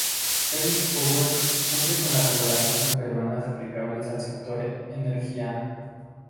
Fenix Power cumple con las regulaciones peruanas aplicables al sector energía.